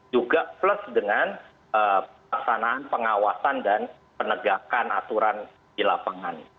juga plus dengan pelaksanaan pengawasan dan penegakan aturan di lapangan